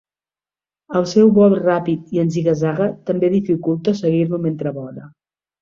El seu vol ràpid i en ziga-zaga també dificulta seguir-lo mentre vola.